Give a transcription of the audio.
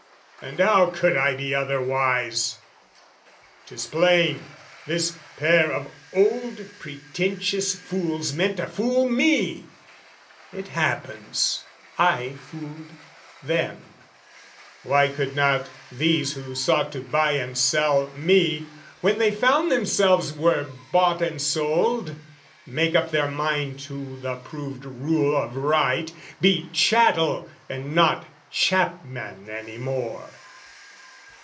And how could I be otherwise? 'Tis plain: this pair of old pretentious fools Meant to fool me: it happens, I fooled them, Why could not these who sought to buy and sell Me, when they found themselves were bought and sold, Make up their mind to the proved rule of right, Be chattel and not chapman any more?